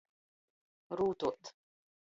Rūtuot.